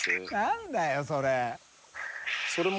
何だよそれ。